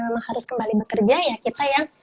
memang harus kembali bekerja ya kita yang